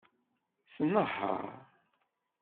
Tnehheṛ.